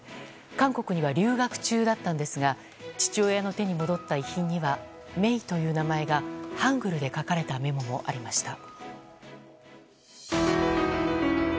韓国には留学中だったんですが父親の手に戻った遺品には芽生という名前がハングルで書かれたメモもありました。